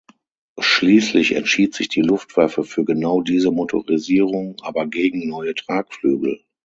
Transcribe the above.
Schließlich entschied sich die Luftwaffe für genau diese Motorisierung aber gegen neue Tragflügel.